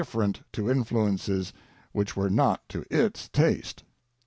ferent to influences which were not to Its taste.